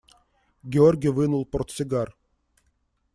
Георгий вынул портсигар.